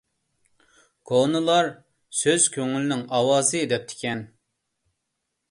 كونىلار: «سۆز كۆڭۈلنىڭ ئاۋازى» دەپتىكەن.